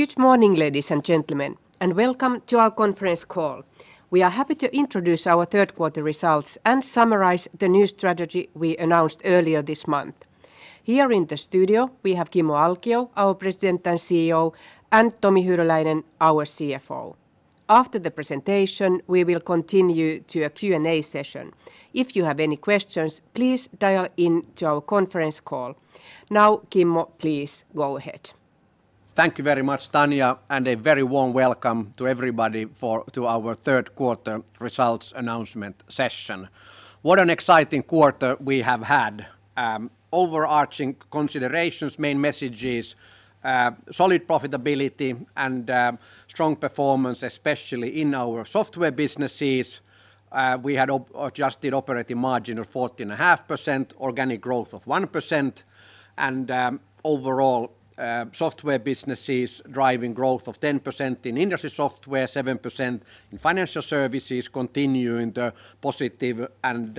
Good morning, ladies and gentlemen, and welcome to our conference call. We are happy to introduce our third quarter results and summarize the new strategy we announced earlier this month. Here in the studio, we have Kimmo Alkio, our President and CEO, and Tomi Hyryläinen, our CFO. After the presentation, we will continue to a Q&A session. If you have any questions, please dial in to our conference call. Now, Kimmo, please go ahead. Thank you very much, Tanja, and a very warm welcome to everybody for our third quarter results announcement session. What an exciting quarter we have had. Overarching considerations, main messages, solid profitability and strong performance, especially in our software businesses. We had op-adjusted operating margin of 14.5%, organic growth of 1%, and overall, software businesses driving growth of 10% in industry software, 7% in financial services, continuing the positive and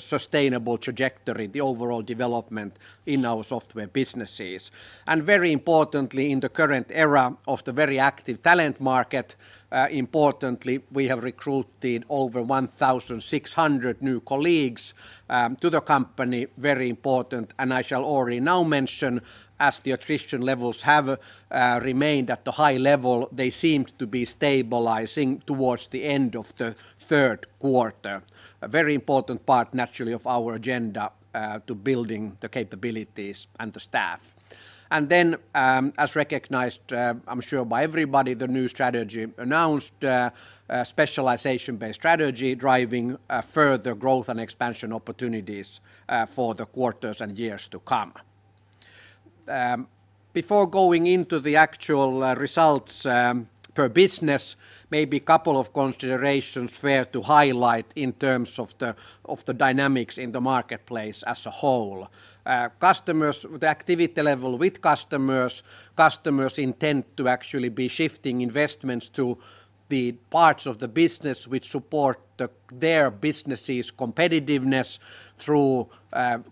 sustainable trajectory, the overall development in our software businesses. Very importantly, in the current era of the very active talent market, importantly, we have recruited over 1,600 new colleagues to the company, very important. I shall already now mention, as the attrition levels have remained at the high level, they seemed to be stabilizing towards the end of the third quarter. A very important part, naturally, of our agenda to building the capabilities and the staff. Then, as recognized, I'm sure by everybody, the new strategy announced a specialization-based strategy driving further growth and expansion opportunities for the quarters and years to come. Before going into the actual results per business, maybe a couple of considerations fair to highlight in terms of the dynamics in the marketplace as a whole. The activity level with customers intend to actually be shifting investments to the parts of the business which support their business' competitiveness through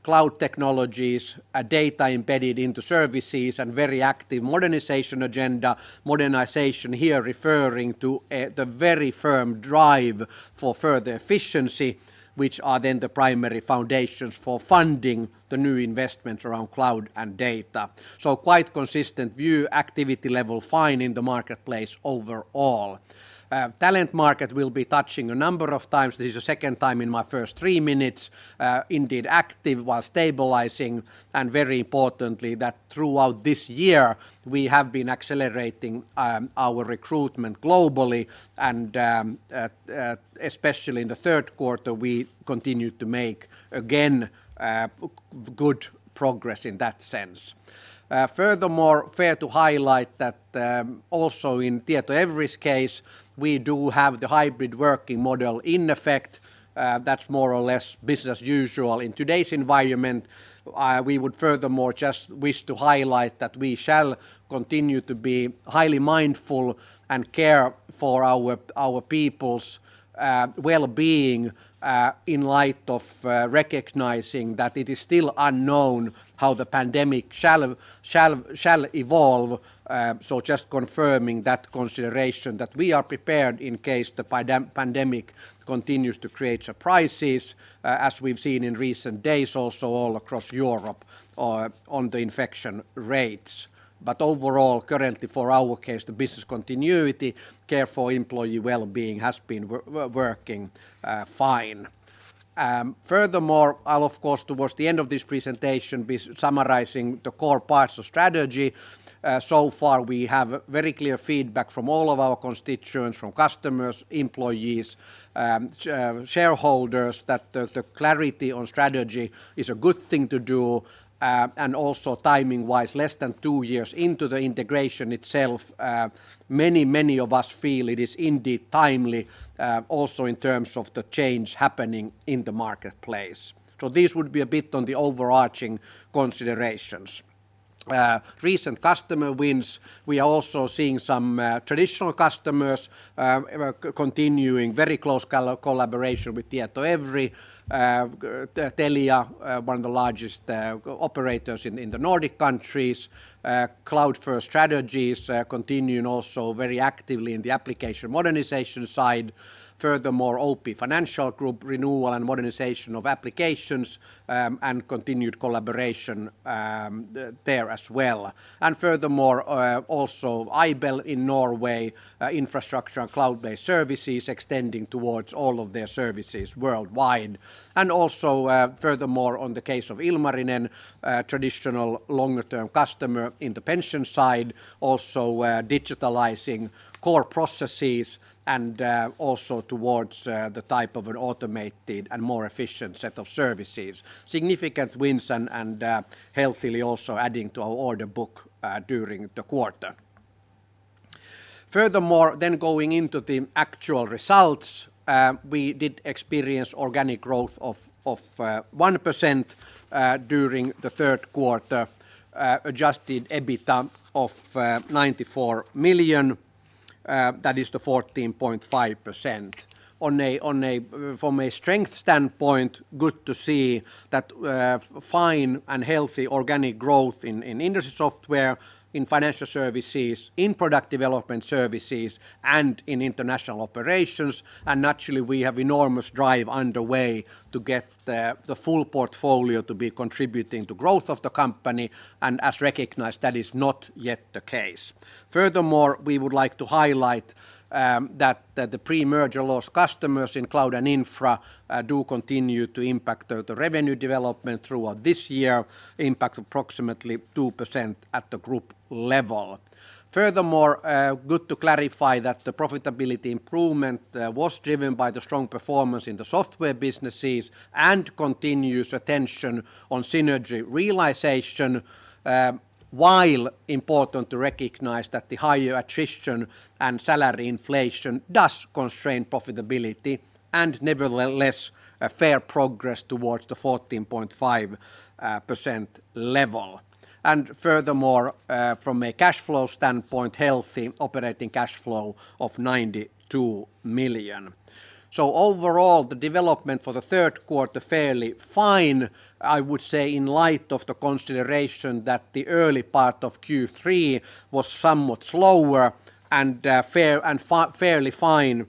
cloud technologies, data embedded into services, and very active modernization agenda. Modernization here referring to, the very firm drive for further efficiency, which are then the primary foundations for funding the new investments around cloud and data. Quite consistent view, activity level fine in the marketplace overall. Talent market we'll be touching a number of times. This is the second time in my first three minutes. Indeed, active while stabilizing, and very importantly that throughout this year, we have been accelerating, our recruitment globally, and, especially in the third quarter, we continued to make, again, good progress in that sense. Furthermore, fair to highlight that, also in TietoEVRY's case, we do have the hybrid working model in effect, that's more or less business as usual in today's environment. We would furthermore just wish to highlight that we shall continue to be highly mindful and care for our people's well-being in light of recognizing that it is still unknown how the pandemic shall evolve. Just confirming that consideration that we are prepared in case the pandemic continues to create surprises, as we've seen in recent days also all across Europe, on the infection rates. Overall, currently for our case, the business continuity, care for employee well-being has been working fine. Furthermore, I'll of course, towards the end of this presentation, be summarizing the core parts of strategy. So far, we have very clear feedback from all of our constituents, from customers, employees, shareholders, that the clarity on strategy is a good thing to do, and also timing-wise, less than two years into the integration itself, many of us feel it is indeed timely, also in terms of the change happening in the marketplace. This would be a bit on the overarching considerations. Recent customer wins, we are also seeing some traditional customers continuing very close collaboration with TietoEVRY. Telia, one of the largest operators in the Nordic countries, cloud-first strategies continuing also very actively in the application modernization side. Furthermore, OP Financial Group renewal and modernization of applications, and continued collaboration there as well. Furthermore, also Aibel in Norway, infrastructure and cloud-based services extending towards all of their services worldwide. Furthermore, on the case of Ilmarinen, traditional longer-term customer in the pension side, also digitalizing core processes and also towards the type of an automated and more efficient set of services. Significant wins and healthily also adding to our order book during the quarter. Furthermore, then going into the actual results, we did experience organic growth of 1% during the third quarter, adjusted EBITA of 94 million. That is 14.5%. From a strength standpoint, good to see that fine and healthy organic growth in industry software, in financial services, in product development services, and in international operations. Naturally we have enormous drive underway to get the full portfolio to be contributing to growth of the company, and as recognized, that is not yet the case. Furthermore, we would like to highlight that the pre-merger loss customers in cloud and infra do continue to impact the revenue development throughout this year, impact approximately 2% at the group level. Furthermore, good to clarify that the profitability improvement was driven by the strong performance in the software businesses and continuous attention on synergy realization, while important to recognize that the higher attrition and salary inflation does constrain profitability, and nevertheless a fair progress towards the 14.5% level. Furthermore, from a cash flow standpoint, healthy operating cash flow of 92 million. Overall, the development for the third quarter was fairly fine, I would say in light of the consideration that the early part of Q3 was somewhat slower and fairly fine,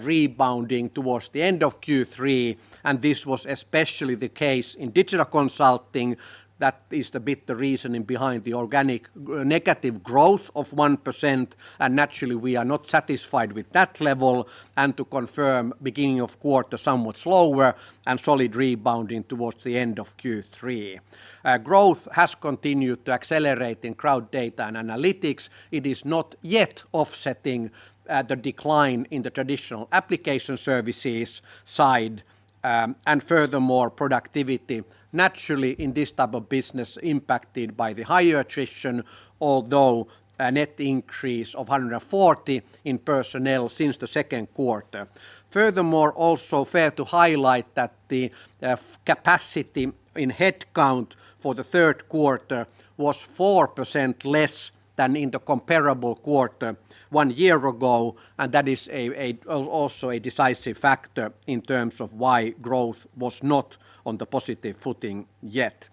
rebounding towards the end of Q3, and this was especially the case in digital consulting. That is a bit the reasoning behind the organic negative growth of 1%, and naturally we are not satisfied with that level, and to confirm beginning of quarter somewhat slower and slowly rebounding towards the end of Q3. Growth has continued to accelerate in cloud data and analytics. It is not yet offsetting the decline in the traditional application services side, and furthermore productivity naturally in this type of business impacted by the higher attrition although a net increase of 140 in personnel since the second quarter. Furthermore, it is also fair to highlight that the capacity in headcount for the third quarter was 4% less than in the comparable quarter one year ago, and that is also a decisive factor in terms of why growth was not on the positive footing yet.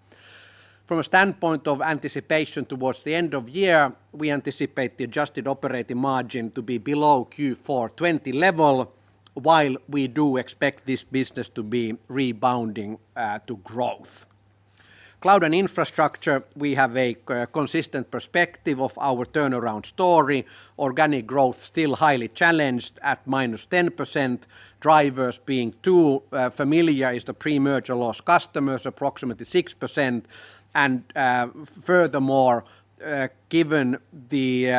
From a standpoint of anticipation towards the end of the year, we anticipate the adjusted operating margin to be below Q4 2020 level, while we do expect this business to be rebounding to growth. Cloud and infrastructure, we have a consistent perspective of our turnaround story. Organic growth still highly challenged at -10%. Drivers being too familiar is the pre-merger lost customers, approximately 6%. Furthermore, given the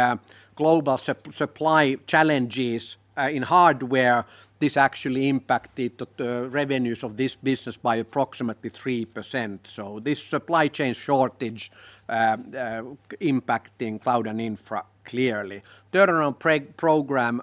global supply challenges in hardware, this actually impacted the revenues of this business by approximately 3%. This supply chain shortage impacting cloud and infra clearly. Turnaround program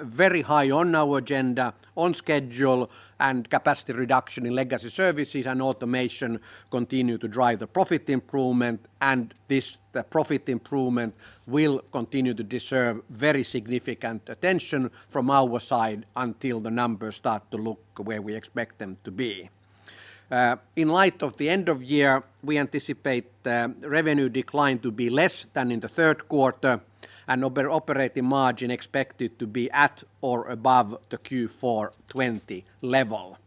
very high on our agenda, on schedule, and capacity reduction in legacy services and automation continue to drive the profit improvement, and this profit improvement will continue to deserve very significant attention from our side until the numbers start to look where we expect them to be. In light of the end of year, we anticipate the revenue decline to be less than in the third quarter and operating margin expected to be at or above the Q4 2020 level.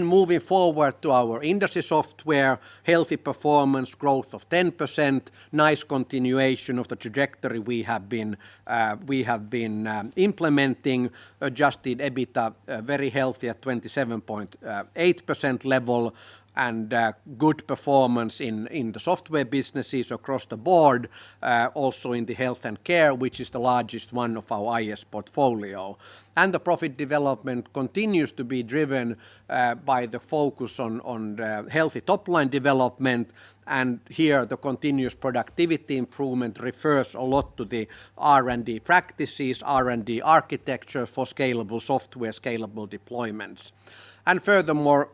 Moving forward to our industry software, healthy performance growth of 10%, nice continuation of the trajectory we have been implementing. Adjusted EBITDA very healthy at 27.8% level and good performance in the software businesses across the board, also in the health and care, which is the largest one of our IS portfolio. The profit development continues to be driven by the focus on the healthy top-line development, and here the continuous productivity improvement refers a lot to the R&D practices, R&D architecture for scalable software, scalable deployments. Furthermore,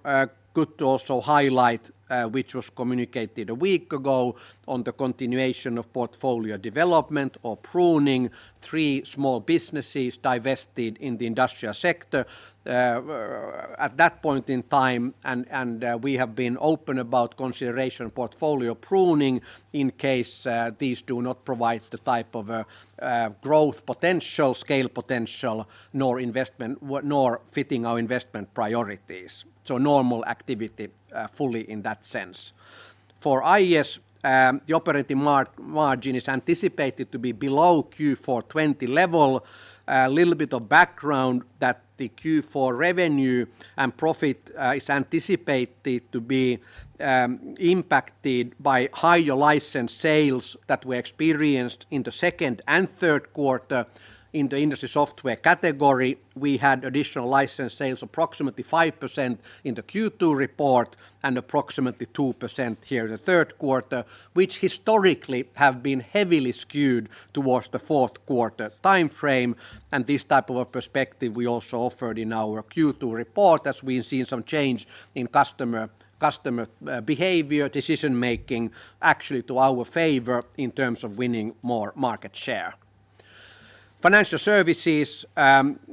good to also highlight which was communicated a week ago on the continuation of portfolio development or pruning three small businesses divested in the industrial sector. At that point in time, we have been open about consideration portfolio pruning in case these do not provide the type of growth potential, scale potential nor investment nor fitting our investment priorities. Normal activity, fully in that sense. For IES, the operating margin is anticipated to be below Q4 2020 level. A little bit of background that the Q4 revenue and profit is anticipated to be impacted by higher license sales that we experienced in the second and third quarter in the industry software category. We had additional license sales approximately 5% in the Q2 report and approximately 2% here in the third quarter, which historically have been heavily skewed towards the fourth quarter timeframe. This type of a perspective we also offered in our Q2 report as we have seen some change in customer behavior, decision-making actually to our favor in terms of winning more market share. Financial services,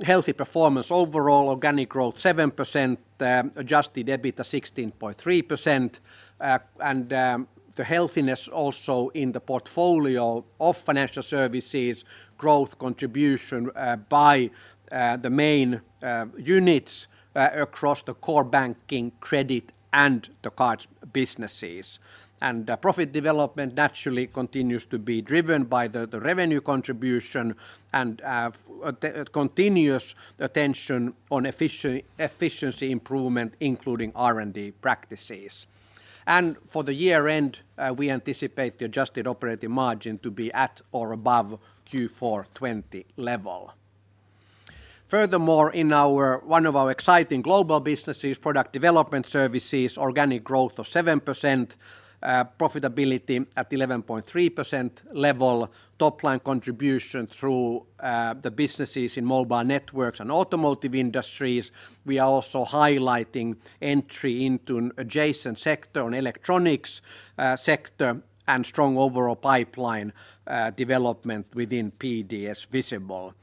healthy performance overall, organic growth 7%, adjusted EBITDA 16.3%. The healthiness also in the portfolio of financial services, growth contribution by the main units across the core banking, credit and the cards businesses. Profit development naturally continues to be driven by the revenue contribution and the continuous attention on efficiency improvement, including R&D practices. For the year-end, we anticipate the adjusted operating margin to be at or above Q4 2020 level. Furthermore, in our one of our exciting global businesses, product development services, organic growth of 7%, profitability at 11.3% level, top-line contribution through the businesses in mobile networks and automotive industries. We are also highlighting entry into an adjacent sector on electronics sector, and strong overall pipeline development within PDS visible.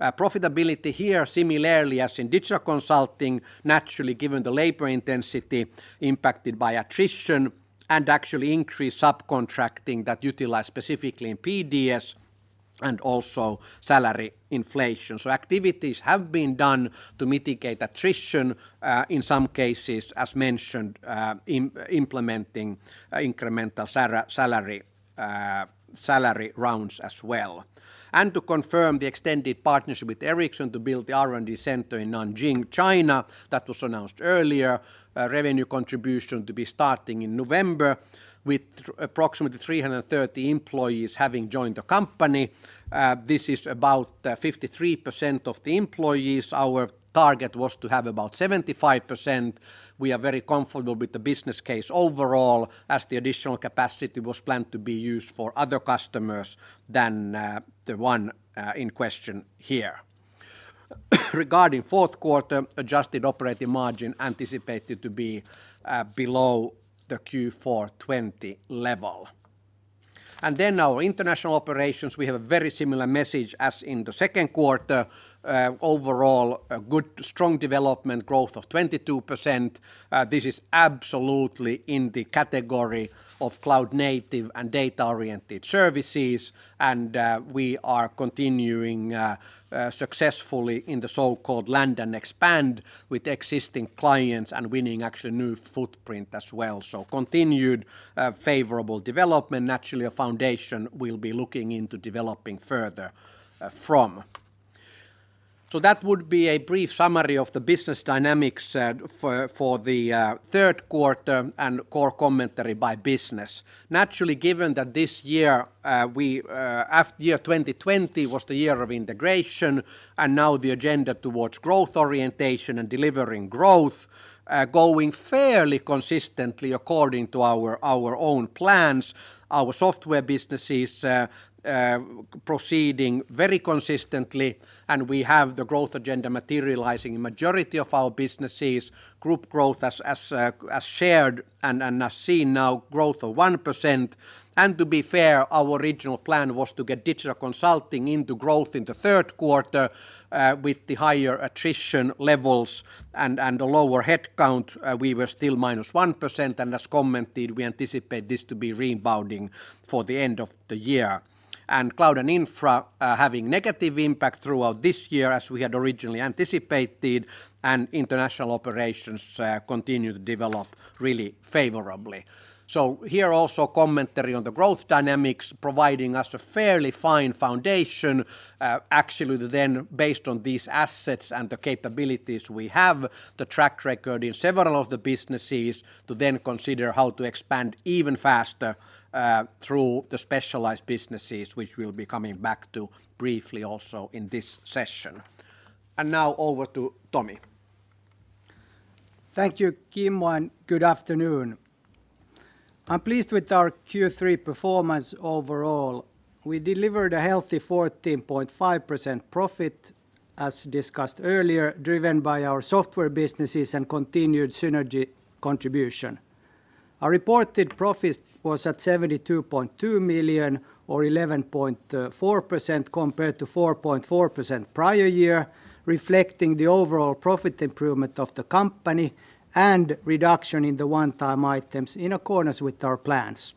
Profitability here similarly as in digital consulting, naturally given the labor intensity impacted by attrition and actually increased subcontracting that utilize specifically in PDS and also salary inflation. Activities have been done to mitigate attrition, in some cases, as mentioned, implementing incremental salary rounds as well. To confirm the extended partnership with Ericsson to build the R&D center in Nanjing, China, that was announced earlier, revenue contribution to be starting in November with approximately 330 employees having joined the company. This is about 53% of the employees. Our target was to have about 75%. We are very comfortable with the business case overall as the additional capacity was planned to be used for other customers than the one in question here. Regarding fourth quarter, adjusted operating margin anticipated to be below the Q4 2020 level. Our international operations, we have a very similar message as in the second quarter. Overall, a good strong development growth of 22%. This is absolutely in the category of cloud-native and data-oriented services, and we are continuing successfully in the so-called land and expand with existing clients and winning actually new footprint as well. Continued favorable development, naturally a foundation we'll be looking into developing further from. That would be a brief summary of the business dynamics for the third quarter and core commentary by business. Naturally, given that this year, after year 2020 was the year of integration and now the agenda towards growth orientation and delivering growth, going fairly consistently according to our own plans. Our software businesses proceeding very consistently, and we have the growth agenda materializing in majority of our businesses. Group growth as shared and as seen, now growth of 1%. To be fair, our original plan was to get digital consulting into growth in the third quarter. With the higher attrition levels and the lower headcount, we were still -1%, and as commented, we anticipate this to be rebounding for the end of the year. Cloud and infra having negative impact throughout this year as we had originally anticipated, and international operations continue to develop really favorably. Here also commentary on the growth dynamics providing us a fairly fine foundation, actually then based on these assets and the capabilities we have, the track record in several of the businesses to then consider how to expand even faster, through the specialized businesses, which we'll be coming back to briefly also in this session. Now over to Tomi. Thank you, Kim, and good afternoon. I'm pleased with our Q3 performance overall. We delivered a healthy 14.5% profit, as discussed earlier, driven by our software businesses and continued synergy contribution. Our reported profit was at 72.2 million or 11.4% compared to 4.4% prior year, reflecting the overall profit improvement of the company and reduction in the one-time items in accordance with our plans.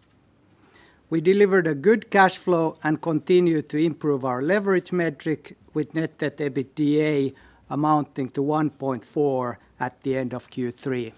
We delivered a good cash flow and continued to improve our leverage metric with net debt/EBITDA amounting to 1.4 at the end of Q3.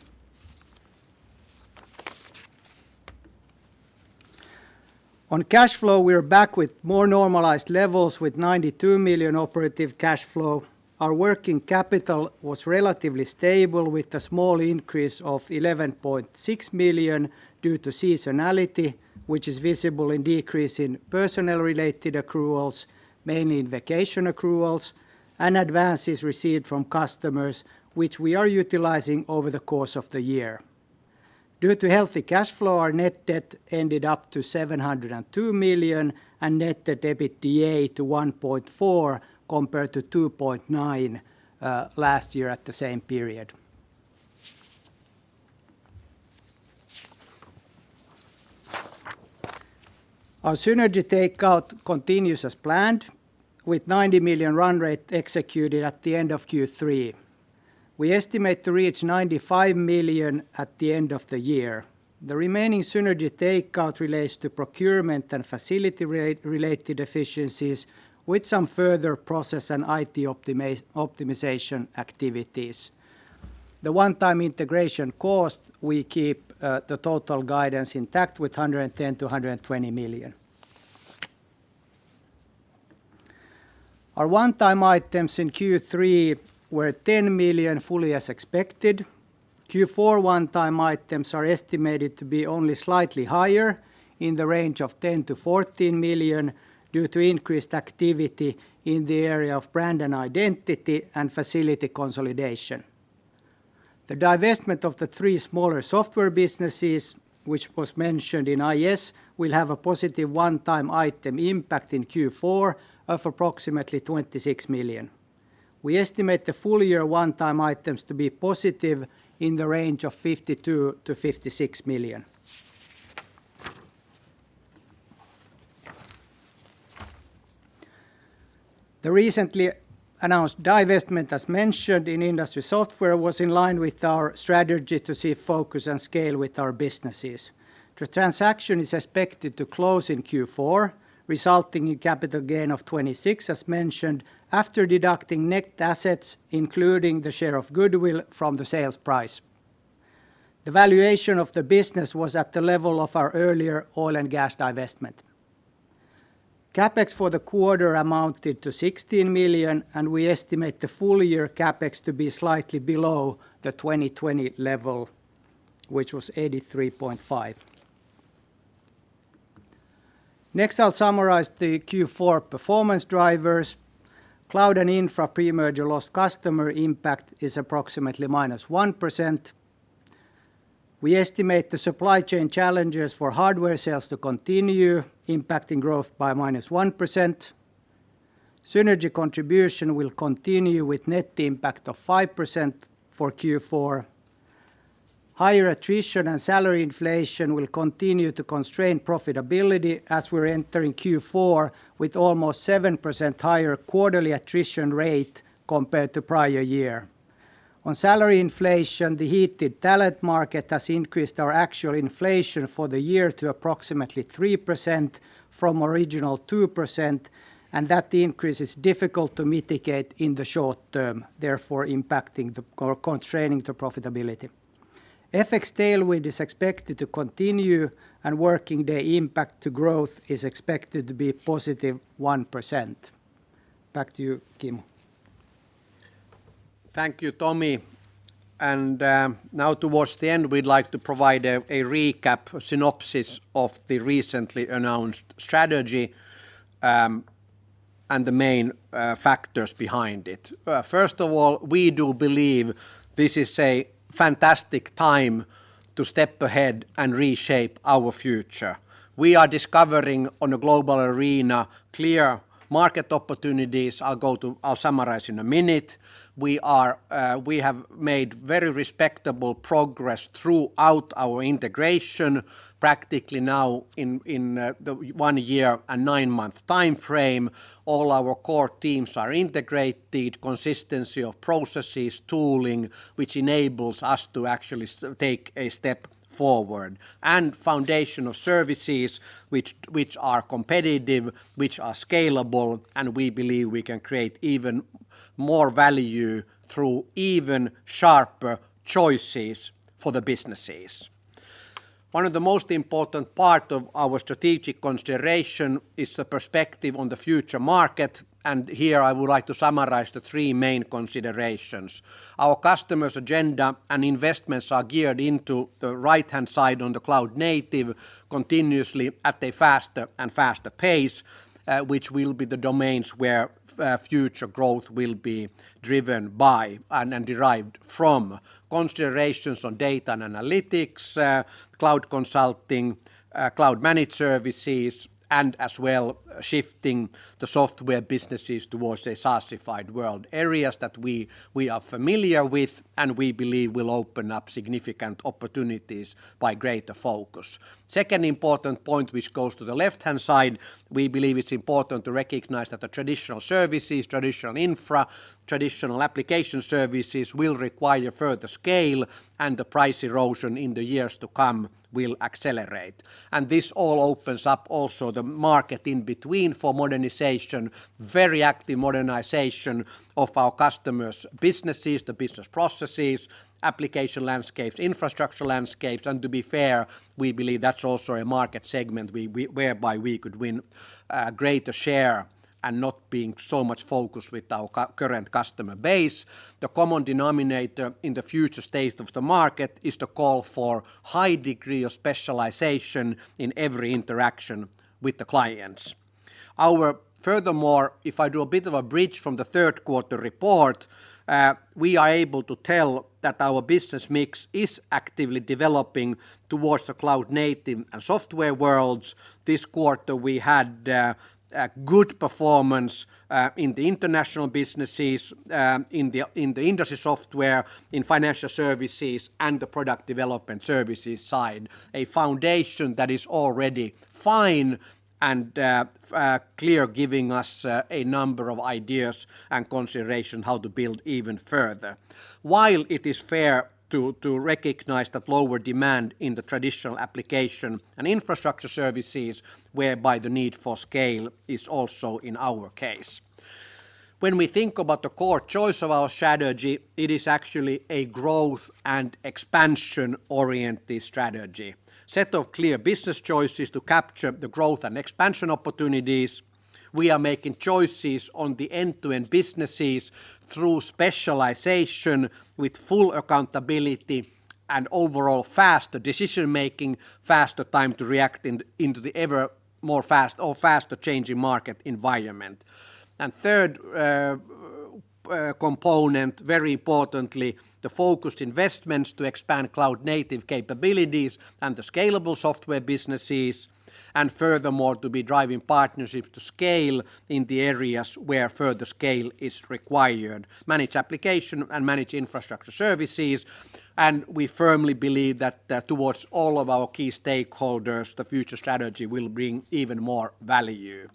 On cash flow, we are back with more normalized levels with 92 million operative cash flow. Our working capital was relatively stable with a small increase of 11.6 million due to seasonality, which is visible in decrease in personnel-related accruals, mainly in vacation accruals and advances received from customers, which we are utilizing over the course of the year. Due to healthy cash flow, our net debt ended up to 702 million and net debt/EBITDA to 1.4 compared to 2.9 last year at the same period. Our synergy takeout continues as planned with 90 million run rate executed at the end of Q3. We estimate to reach 95 million at the end of the year. The remaining synergy takeout relates to procurement and facility-related efficiencies with some further process and IT optimization activities. The one-time integration cost, we keep the total guidance intact with 110 million-120 million. Our one-time items in Q3 were 10 million, fully as expected. Q4 one-time items are estimated to be only slightly higher, in the range of 10 million-14 million due to increased activity in the area of brand and identity and facility consolidation. The divestment of the three smaller software businesses, which was mentioned in IS, will have a positive one-time item impact in Q4 of approximately 26 million. We estimate the full year one-time items to be positive in the range of 52 million-56 million. The recently announced divestment, as mentioned in industry software, was in line with our strategy to seek focus and scale with our businesses. The transaction is expected to close in Q4, resulting in capital gain of 26, as mentioned, after deducting net assets, including the share of goodwill from the sales price. The valuation of the business was at the level of our earlier oil and gas divestment. CapEx for the quarter amounted to 16 million, and we estimate the full year CapEx to be slightly below the 2020 level, which was 83.5 million. Next, I'll summarize the Q4 performance drivers. Cloud and infra pre-merger lost customer impact is approximately -1%. We estimate the supply chain challenges for hardware sales to continue impacting growth by -1%. Synergy contribution will continue with net impact of 5% for Q4. Higher attrition and salary inflation will continue to constrain profitability as we're entering Q4 with almost 7% higher quarterly attrition rate compared to prior year. On salary inflation, the heated talent market has increased our actual inflation for the year to approximately 3% from original 2%, and that increase is difficult to mitigate in the short term, therefore impacting or constraining the profitability. FX tailwind is expected to continue, and working day impact to growth is expected to be positive 1%. Back to you, Kim. Thank you, Tomi Hyryläinen. Now towards the end, we'd like to provide a recap, a synopsis of the recently announced strategy, and the main factors behind it. First of all, we do believe this is a fantastic time to step ahead and reshape our future. We are discovering on a global arena clear market opportunities. I'll summarize in a minute. We have made very respectable progress throughout our integration, practically now in the one year and nine-month timeframe. All our core teams are integrated, consistency of processes, tooling, which enables us to actually take a step forward, and foundational services which are competitive, which are scalable, and we believe we can create even more value through even sharper choices for the businesses. One of the most important part of our strategic consideration is the perspective on the future market, and here I would like to summarize the three main considerations. Our customers' agenda and investments are geared into the right-hand side on the cloud native continuously at a faster and faster pace, which will be the domains where future growth will be driven by and derived from. Considerations on data and analytics, cloud consulting, cloud managed services, and as well shifting the software businesses towards a SaaS-ified world, areas that we are familiar with and we believe will open up significant opportunities by greater focus. Second important point which goes to the left-hand side, we believe it's important to recognize that the traditional services, traditional infra, traditional application services will require further scale, and the price erosion in the years to come will accelerate. This all opens up also the market in between for modernization, very active modernization of our customers' businesses, the business processes, application landscapes, infrastructure landscapes. To be fair, we believe that's also a market segment we whereby we could win greater share and not being so much focused with our current customer base. The common denominator in the future state of the market is the call for high degree of specialization in every interaction with the clients. Furthermore, if I do a bit of a bridge from the third quarter report, we are able to tell that our business mix is actively developing towards the cloud native and software worlds. This quarter, we had a good performance in the international businesses, in the industry software, in financial services, and the product development services side, a foundation that is already fine and clear, giving us a number of ideas and consideration how to build even further. While it is fair to recognize that lower demand in the traditional application and infrastructure services, whereby the need for scale is also in our case. When we think about the core choice of our strategy, it is actually a growth and expansion-oriented strategy, a set of clear business choices to capture the growth and expansion opportunities. We are making choices on the end-to-end businesses through specialization with full accountability and overall faster decision-making, faster time to react into the ever more fast or faster changing market environment. Third component, very importantly, the focused investments to expand cloud-native capabilities and the scalable software businesses, and furthermore, to be driving partnerships to scale in the areas where further scale is required, managed application and managed infrastructure services. We firmly believe that towards all of our key stakeholders, the future strategy will bring even more value.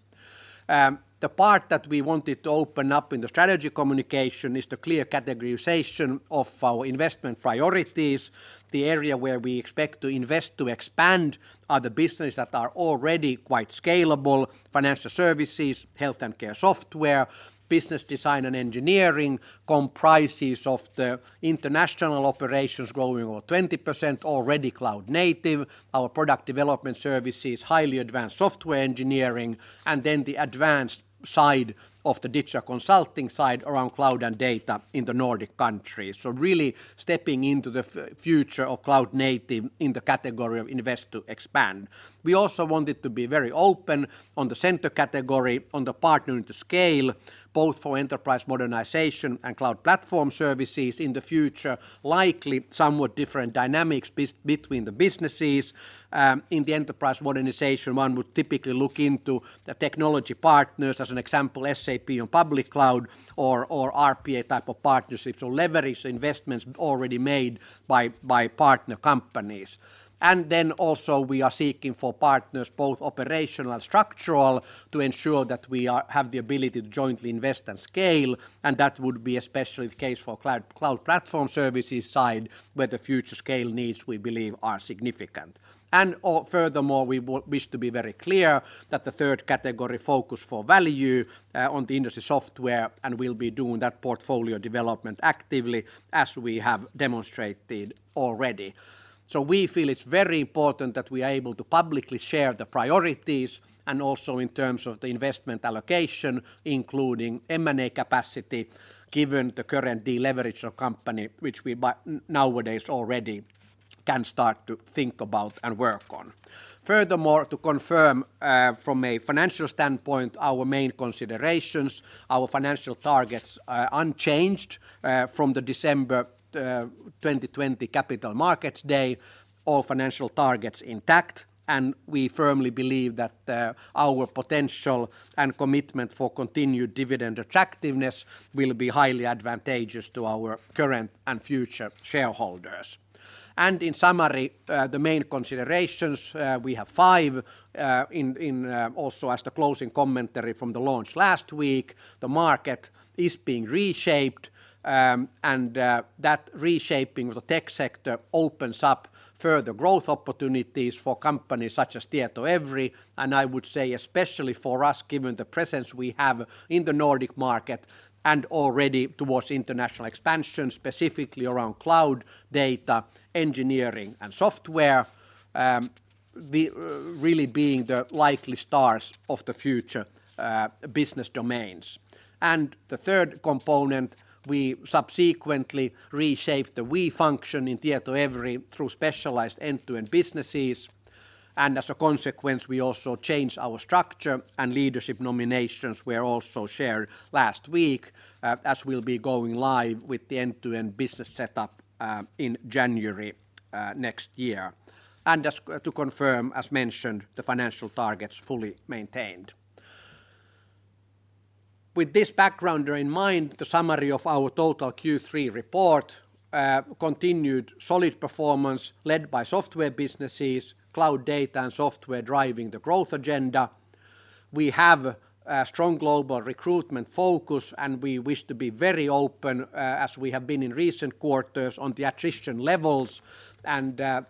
The part that we wanted to open up in the strategy communication is the clear categorization of our investment priorities. The area where we expect to invest to expand are the business that are already quite scalable, financial services, health and care software, business design and engineering, comprises of the international operations growing over 20%, already cloud native, our product development services, highly advanced software engineering, and then the advanced side of the digital consulting side around cloud and data in the Nordic countries. Really stepping into the future of cloud native in the category of invest to expand. We also wanted to be very open on the center category on the partnering to scale, both for enterprise modernization and cloud platform services in the future, likely somewhat different dynamics between the businesses. In the enterprise modernization, one would typically look into the technology partners, as an example, SAP on public cloud or RPA type of partnerships or leverage investments already made by partner companies. Then also we have the ability to jointly invest and scale, and that would be especially the case for cloud platform services side, where the future scale needs, we believe, are significant. Furthermore, we wish to be very clear that the third category focus for value on the industry software, and we'll be doing that portfolio development actively as we have demonstrated already. We feel it's very important that we are able to publicly share the priorities and also in terms of the investment allocation, including M&A capacity, given the current deleverage of company, which we by now already can start to think about and work on. Furthermore, to confirm from a financial standpoint, our main considerations, our financial targets are unchanged from the December 2020 Capital Markets Day, all financial targets intact, and we firmly believe that our potential and commitment for continued dividend attractiveness will be highly advantageous to our current and future shareholders. In summary, the main considerations we have five. Also, as the closing commentary from the launch last week, the market is being reshaped, and that reshaping of the tech sector opens up further growth opportunities for companies such as TietoEVRY. I would say especially for us, given the presence we have in the Nordic market and already towards international expansion, specifically around cloud data, engineering, and software, they really being the likely stars of the future business domains. The third component, we subsequently reshaped the function in TietoEVRY through specialized end-to-end businesses, and as a consequence, we also changed our structure and leadership nominations were also shared last week, as we'll be going live with the end-to-end business setup in January next year. Just to confirm, as mentioned, the financial target's fully maintained. With this background in mind, the summary of our total Q3 report continued solid performance led by software businesses, cloud data and software driving the growth agenda. We have a strong global recruitment focus, and we wish to be very open, as we have been in recent quarters on the attrition levels.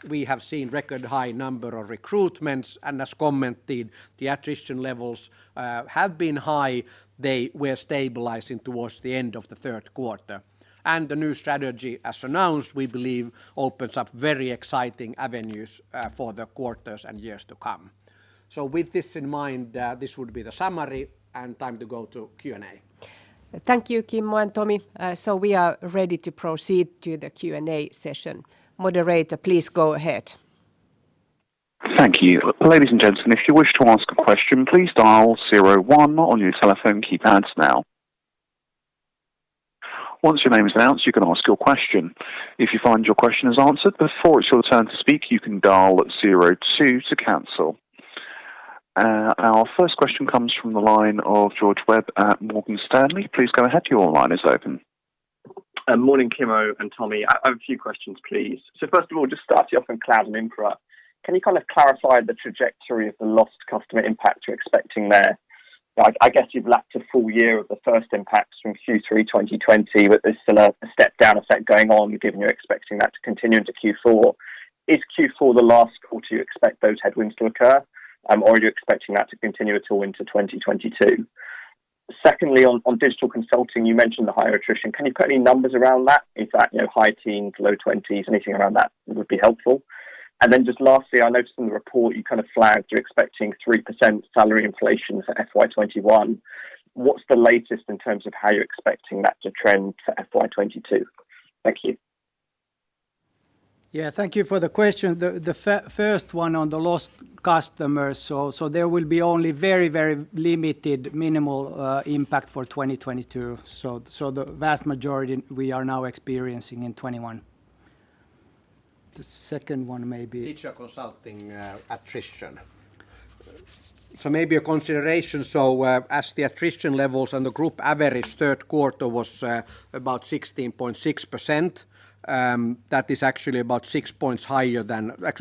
We have seen record high number of recruitments. As commented, the attrition levels have been high. They were stabilizing towards the end of the third quarter. The new strategy, as announced, we believe opens up very exciting avenues for the quarters and years to come. With this in mind, this would be the summary and time to go to Q&A. Thank you, Kimmo and Tomi. We are ready to proceed to the Q&A session. Moderator, please go ahead. Thank you. Ladies and gentlemen, if you wish to ask a question, please dial zero one on your telephone keypads now. Once your name is announced, you can ask your question. If you find your question is answered before it's your turn to speak, you can dial 02 to cancel. Our first question comes from the line of George Webb at Morgan Stanley. Please go ahead, your line is open. Morning, Kimmo and Tomi. A few questions, please. First of all, just starting off in cloud and infra, can you kind of clarify the trajectory of the lost customer impact you're expecting there? Like, I guess you've lapped a full year of the first impacts from Q3 2020, but there's still a step down effect going on, given you're expecting that to continue into Q4. Is Q4 the last quarter you expect those headwinds to occur, or are you expecting that to continue until into 2022? Secondly, on digital consulting, you mentioned the higher attrition. Can you put any numbers around that? Is that, you know, high teens, low 20s? Anything around that would be helpful. Just lastly, I noticed in the report you kind of flagged you're expecting 3% salary inflation for FY 2021. What's the latest in terms of how you're expecting that to trend to FY 2022? Thank you. Yeah, thank you for the question. The first one on the lost customers. There will be only very limited minimal impact for 2022. The vast majority we are now experiencing in 2021. The second one maybe. Digital consulting, attrition. Maybe a consideration. As the attrition levels and the group average third quarter was about 16.6%, that is actually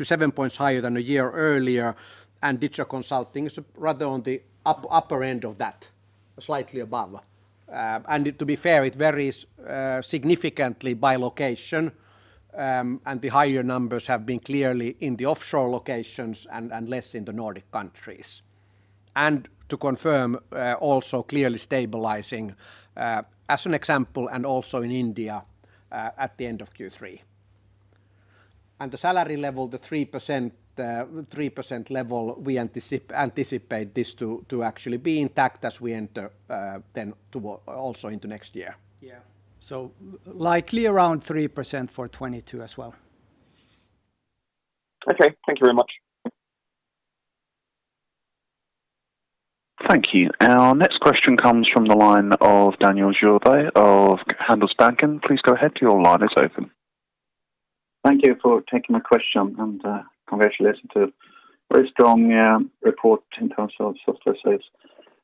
seven points higher than a year earlier. Digital consulting is rather on the upper end of that, slightly above. To be fair, it varies significantly by location. The higher numbers have been clearly in the offshore locations and less in the Nordic countries. To confirm, also clearly stabilizing, as an example, and also in India at the end of Q3. The salary level, the 3% level, we anticipate this to actually be intact as we enter also into next year. Yeah. Likely around 3% for 2022 as well. Okay. Thank you very much. Thank you. Our next question comes from the line of Daniel Djurberg of Handelsbanken. Please go ahead, your line is open. Thank you for taking my question, and congratulations on a very strong report in terms of software sales.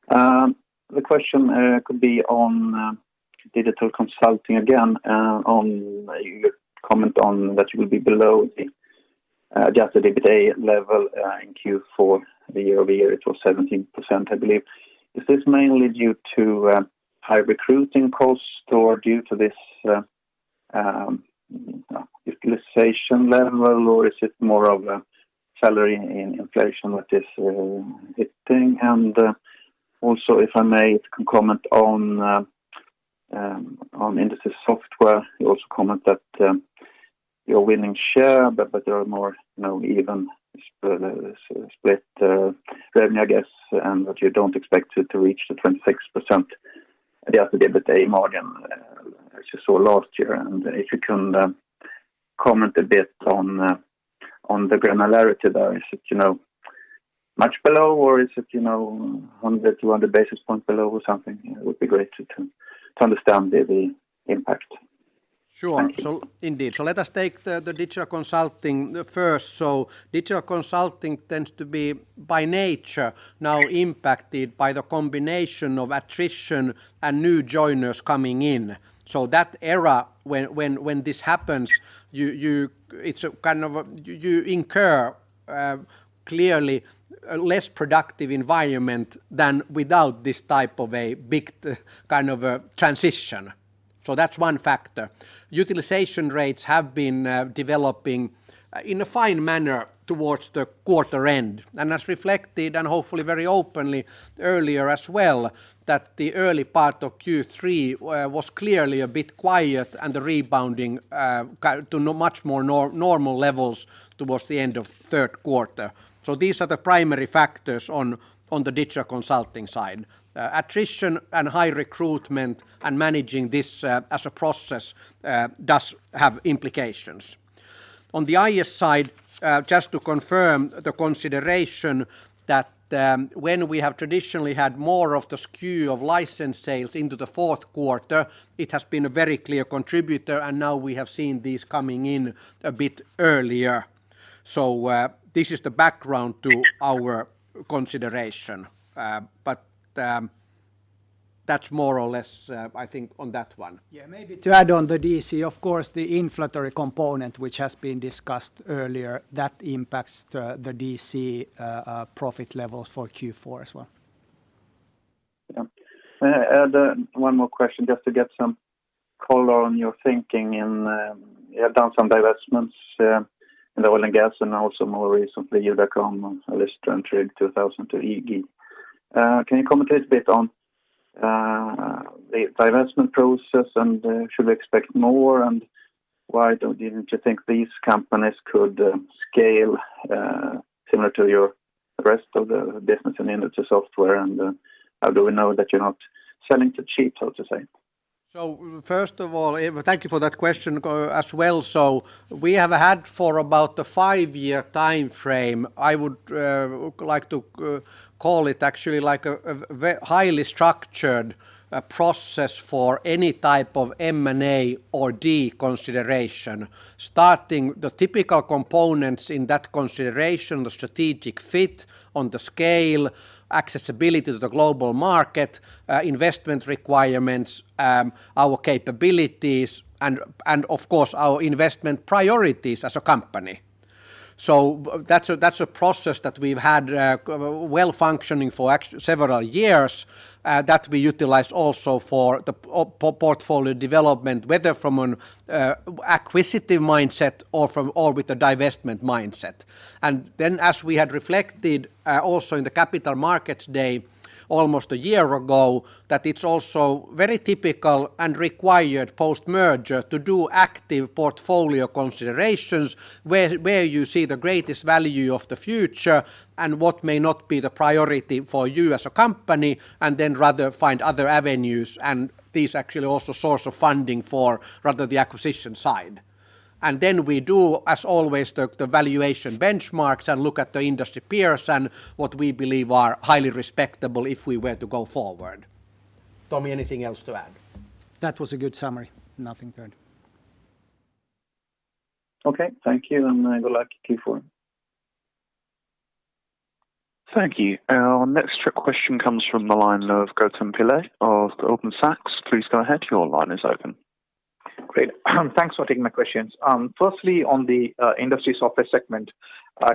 The question could be on Digital Consulting again, on your comment that you will be below the adjusted EBITDA level in Q4. Year-over-year it was 17%, I believe. Is this mainly due to high recruiting costs or due to this utilization level, or is it more of a salary inflation that is hitting? Also, if I may, comment on Industry Software, you also comment that you're winning share, but there are more, you know, evenly split revenue, I guess, and that you don't expect it to reach the 26% adjusted EBITDA margin as you saw last year. If you can comment a bit on the granularity there. Is it, you know, much below, or is it, you know, 100, 200 basis points below or something? It would be great to understand the impact. Sure. Thank you. Let us take the digital consulting first. Digital consulting tends to be by nature now impacted by the combination of attrition and new joiners coming in. That era when this happens, you incur clearly a less productive environment than without this type of a big kind of a transition. That's one factor. Utilization rates have been developing in a fine manner towards the quarter end. As reflected, and hopefully very openly earlier as well, that the early part of Q3 was clearly a bit quiet and the rebounding to much more normal levels towards the end of third quarter. These are the primary factors on the digital consulting side. Attrition and high recruitment and managing this, as a process, does have implications. On the IS side, just to confirm the consideration that, when we have traditionally had more of the skew of license sales into the fourth quarter, it has been a very clear contributor and now we have seen these coming in a bit earlier. This is the background to our consideration, but, that's more or less, I think on that one. Yeah. Maybe to add on the DC, of course, the inflationary component, which has been discussed earlier, that impacts the DC profit levels for Q4 as well. Yeah. May I add one more question just to get some color on your thinking, you have done some divestments in the oil and gas and also more recently Jyda.com and at least 22 million to EG. Can you comment a little bit on the divestment process and should we expect more, and why don't you think these companies could scale similar to the rest of your business and Industry Software, and how do we know that you're not selling too cheap, so to say? First of all, thank you for that question as well. We have had for about the five-year timeframe, I would like to call it actually like a highly structured process for any type of M&A or divestment consideration. Starting with the typical components in that consideration, the strategic fit on the scale, accessibility to the global market, investment requirements, our capabilities and, of course, our investment priorities as a company. That's a process that we've had well functioning for several years, that we utilize also for the portfolio development, whether from an acquisitive mindset or with a divestment mindset. As we had reflected, also in the Capital Markets Day almost a year ago, that it's also very typical and required post-merger to do active portfolio considerations where you see the greatest value of the future and what may not be the priority for you as a company, and then rather find other avenues, and these actually also source of funding for rather the acquisition side. We do, as always, the valuation benchmarks and look at the industry peers and what we believe are highly respectable if we were to go forward. Tomi, anything else to add? That was a good summary. Nothing to add. Okay. Thank you. Now Gautam Pillai. Thank you. Our next question comes from the line of Gautam Pillai of Goldman Sachs. Please go ahead. Your line is open. Great. Thanks for taking my questions. Firstly, on the Industry Software segment,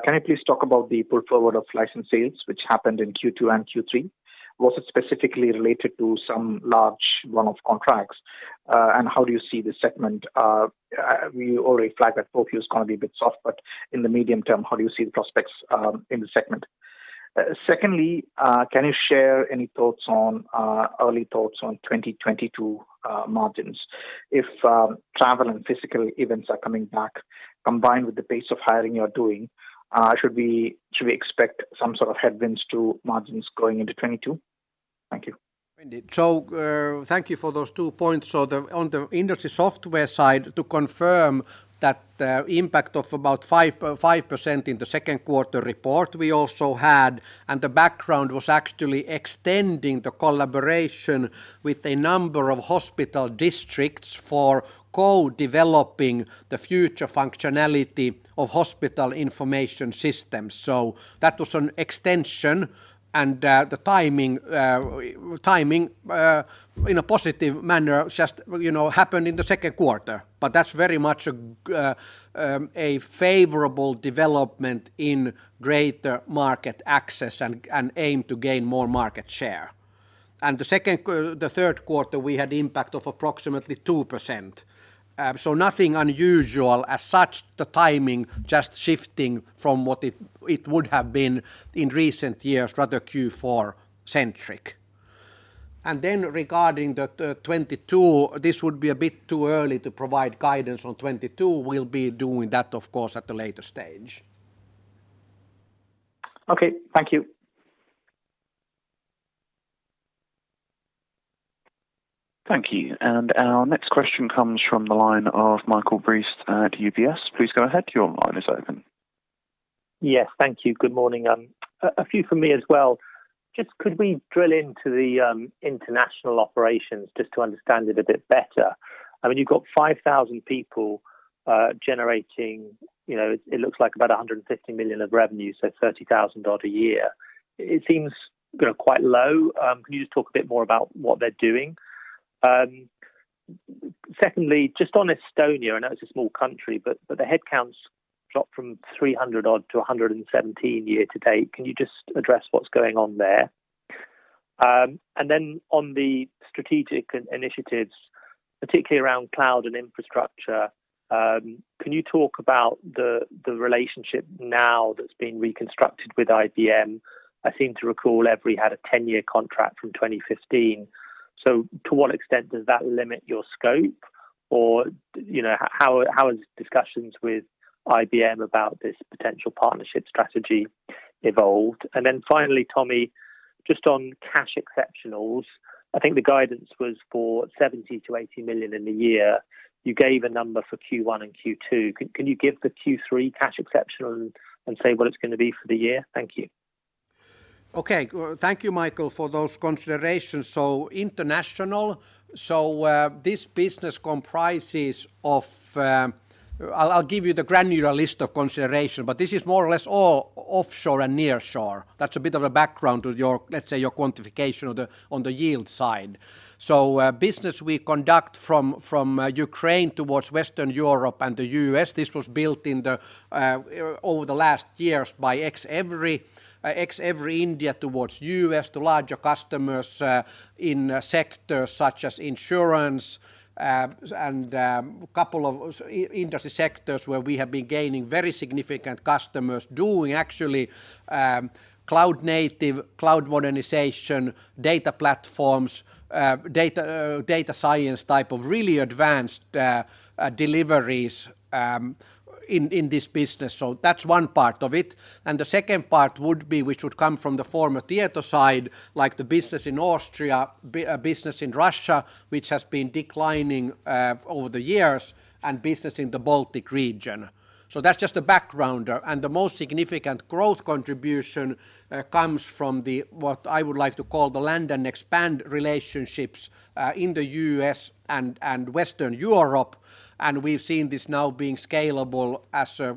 can you please talk about the pull-forward of license sales, which happened in Q2 and Q3? Was it specifically related to some large one-off contracts? How do you see this segment? You already flagged that Q4's gonna be a bit soft, but in the medium term, how do you see the prospects in the segment? Secondly, can you share any thoughts on early thoughts on 2022 margins? If travel and physical events are coming back combined with the pace of hiring you're doing, should we expect some sort of headwinds to margins going into 2022? Thank you. Indeed. Thank you for those two points. The on the industry software side, to confirm that the impact of about 5% in the second quarter report we also had, and the background was actually extending the collaboration with a number of hospital districts for co-developing the future functionality of hospital information systems. That was an extension, and the timing in a positive manner just, you know, happened in the second quarter. That's very much a favorable development in greater market access and aim to gain more market share. The third quarter, we had impact of approximately 2%. Nothing unusual as such the timing, just shifting from what it would have been in recent years, rather Q4-centric. Regarding the 2022, this would be a bit too early to provide guidance on 2022. We'll be doing that, of course, at a later stage. Okay. Thank you. Thank you. Our next question comes from the line of Michael Briest at UBS. Please go ahead. Your line is open. Yes. Thank you. Good morning. A few from me as well. Just could we drill into the international operations just to understand it a bit better? I mean, you've got 5,000 people generating, you know, it looks like about 150 million of revenue, so 30,000 odd a year. It seems, you know, quite low. Can you just talk a bit more about what they're doing? Secondly, just on Estonia, I know it's a small country, but the headcount's dropped from 300 odd to 117 year to date. Can you just address what's going on there? And then on the strategic initiatives, particularly around cloud and infrastructure, can you talk about the relationship now that's been reconstructed with IBM? I seem to recall EVRY had a 10-year contract from 2015. To what extent does that limit your scope? Or, you know, how has discussions with IBM about this potential partnership strategy evolved? Then finally, Tomi, just on cash exceptionals, I think the guidance was for 70-80 million in the year. You gave a number for Q1 and Q2. Can you give the Q3 cash exceptional and say what it's gonna be for the year? Thank you. Okay. Thank you, Michael, for those considerations. International. This business comprises of. I'll give you the granular list of considerations, but this is more or less all offshore and nearshore. That's a bit of a background to your, let's say, your quantification on the yield side. Business we conduct from Ukraine towards Western Europe and the U.S., this was built over the last years by EVRY India towards the U.S. to larger customers in sectors such as insurance and couple of industry sectors where we have been gaining very significant customers doing actually cloud native, cloud modernization, data platforms, data science type of really advanced deliveries in this business. That's one part of it. The second part would be, which would come from the former Tieto side, like the business in Austria, business in Russia, which has been declining over the years, and business in the Baltic region. That's just a backgrounder. The most significant growth contribution comes from the, what I would like to call the land and expand relationships in the US and Western Europe. We've seen this now being scalable as a